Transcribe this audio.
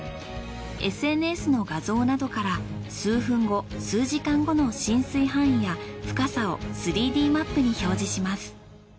ＳＮＳの画像などから数分後数時間後の浸水範囲や深さを３Ｄマップに表示します。